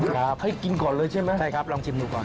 ครับใช่ครับลองชิมดูก่อนให้กินก่อนเลยใช่ไหม